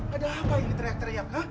ada apa ini teriak teriak kah